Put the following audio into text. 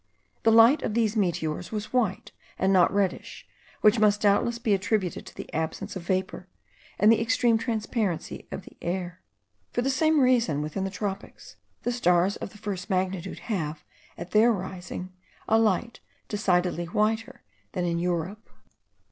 The light of these meteors was white, and not reddish, which must doubtless be attributed to the absence of vapour and the extreme transparency of the air. For the same reason, within the tropics, the stars of the first magnitude have, at their rising, a light decidedly whiter than in Europe.